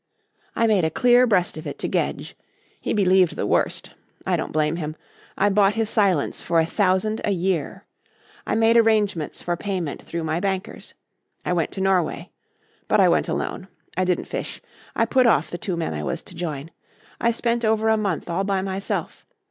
I made a clear breast of it to Gedge. He believed the worst. I don't blame him. I bought his silence for a thousand a year. I made arrangements for payment through my bankers. I went to Norway. But I went alone. I didn't fish. I put off the two men I was to join. I spent over a month all by myself.